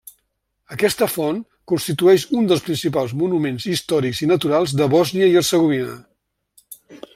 Aquesta font constitueix un dels principals monuments històrics i naturals de Bòsnia i Hercegovina.